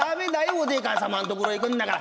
お代官様のところへ行くんだから。